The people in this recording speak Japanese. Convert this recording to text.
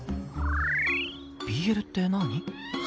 ＢＬって何？